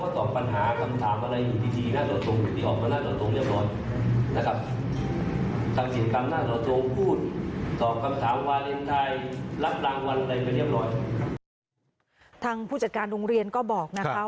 ทางผู้จัดการโรงเรียนก็บอกนะคะ